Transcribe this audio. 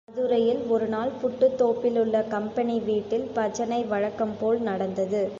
மதுரையில் ஒரு நாள் புட்டுத்தோப்பிலுள்ள கம்பெனி வீட்டில் பஜனை வழக்கம் போல் நடந்தது.